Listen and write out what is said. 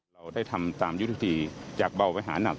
เราได้ทำตามยุทธวิธีจากเบาไปหานัก